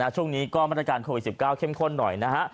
ช่วงนี้ก็มาตรการโควิด๑๙เข้มข้นหน่อยนะฮะ